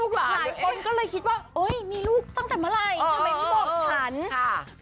หลายคนคิดว่ามีลูกตั้งแต่เมื่อไรทำไมไม่บอก